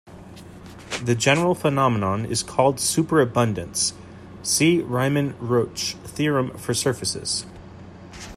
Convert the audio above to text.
The general phenomenon is called superabundance; see Riemann-Roch theorem for surfaces.